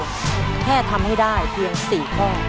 แค่ทำให้ได้เพียง๔ข้อ